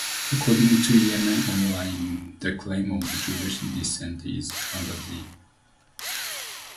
According to "YemenOnline", the claim of Jewish descent is a "fantasy".